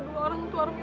rum tau perasaan aku